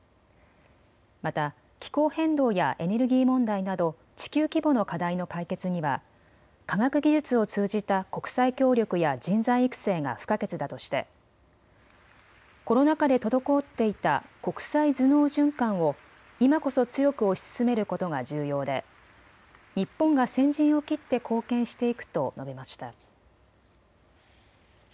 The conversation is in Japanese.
また、気候変動やエネルギー問題など地球規模の課題の解決には科学技術を通じた国際協力や人材育成が不可欠だとしてコロナ禍で滞っていた国際頭脳循環を今こそ強く推し進めることが重要で日本が先陣を切って貢献していくと述べました。